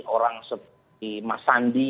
orang seperti mas sandi